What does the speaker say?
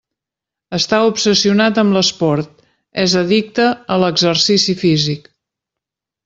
Està obsessionat amb l'esport: és addicte a exercici físic.